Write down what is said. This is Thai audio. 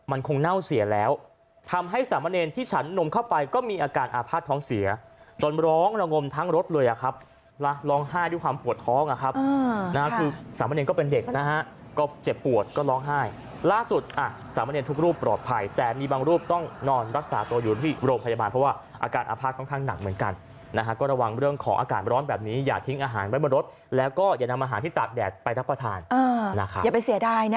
อาจารย์หนุ่มเข้าไปก็มีอาการอาภาษณ์ท้องเสียต้นร้องระงมทั้งรถเลยครับร้องไห้ด้วยความปวดท้องนะครับคือสามเณรก็เป็นเด็กนะฮะก็เจ็บปวดก็ร้องไห้ล่าสุดสามเณรทุกรูปปลอดภัยแต่มีบางรูปต้องนอนรักษาตัวอยู่ที่โรงพยาบาลเพราะว่าอาการอาภาษณ์ค่อนข้างหนักเหมือนกันนะฮะก็ระวังเรื่